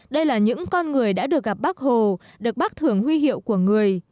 đây là những con người đã được gặp bác hồ được bác thưởng huy hiệu của người